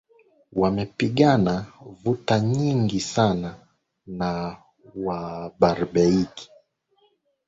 wamepigana vuta nyingi sana na wabarbaig